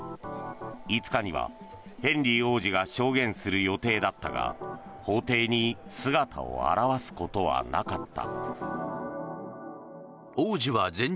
５日には、ヘンリー王子が証言する予定だったが法廷に姿を現すことはなかった。